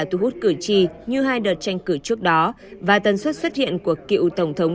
thu hút cử tri như hai đợt tranh cử trước đó và tần suất xuất hiện của cựu tổng thống